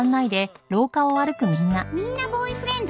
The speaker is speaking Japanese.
みんなボーイフレンド？